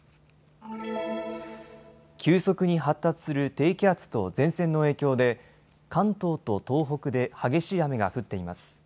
急速に発達する低気圧と前線の影響で関東と東北で激しい雨が降っています。